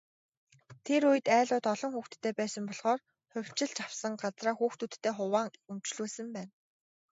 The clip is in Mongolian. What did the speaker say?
Тэр үед, айлууд олон хүүхэдтэй байсан болохоор хувьчилж авсан газраа хүүхдүүддээ хуваан өмчлүүлсэн байна.